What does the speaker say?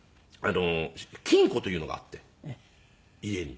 金庫というのがあって家に。